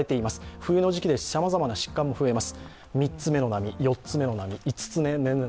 冬の時期ですし、さまざまな疾患も出てきます。